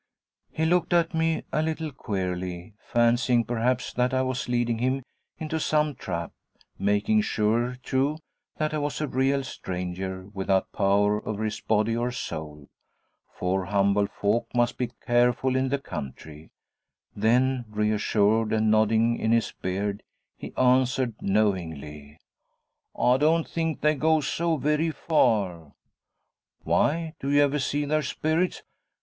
He looked at me a little queerly, fancying perhaps that I was leading him into some trap; making sure, too, that I was a real stranger, without power over his body or soul for humble folk must be careful in the country; then, reassured, and nodding in his beard, he answered knowingly, 'Ah don't think they goes so very far!' 'Why? Do you ever see their spirits?'